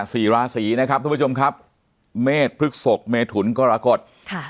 สี่ราศีนะครับทุกผู้ชมครับเมฆพฤกษกเมถุนกรกฎค่ะ